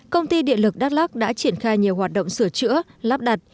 công ty điện lực đắk lắc đã triển khai nhiều hoạt động sửa chữa lắp đặt